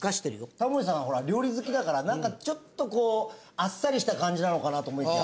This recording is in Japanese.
タモリさんほら料理好きだからなんかちょっとこうあっさりした感じなのかなと思いきや。